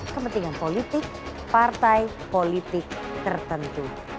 kepentingan politik partai politik tertentu